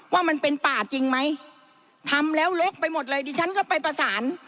ว่ามันเป็นป่าจริงไหมทำแล้วลกไปหมดเลยดิฉันก็ไปประสาน